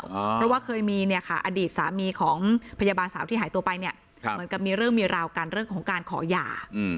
เพราะว่าเคยมีเนี่ยค่ะอดีตสามีของพยาบาลสาวที่หายตัวไปเนี่ยเหมือนกับมีเรื่องมีราวกันเรื่องของการขอหย่า